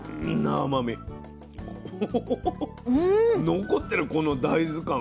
残ってるこの大豆感。